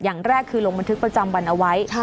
อย่างแรกคือลงบันทึกประจำวันเอาไว้